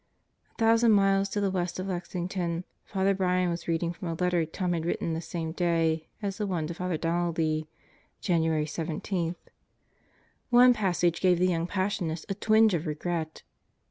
A thousand miles to the west of Lexington, Father Brian was reading from a letter Tom had written the same day as the one to Father Donnelly, January 17. One passage gave the young Passionist a twinge of regret.